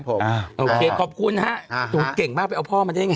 โอเคขอบคุณฮะหนูเก่งมากไปเอาพ่อมาได้ยังไง